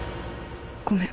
ごめん。